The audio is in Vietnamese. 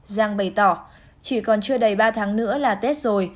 giang bày tỏ chỉ còn chưa đầy ba tháng nữa là tết rồi